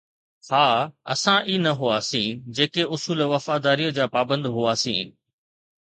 ها، اسان ئي نه هئاسين، جيڪي اصول وفاداريءَ جا پابند هئاسين